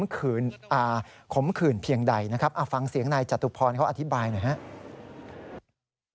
กรณีนี้ทางด้านของประธานกรกฎาได้ออกมาพูดแล้ว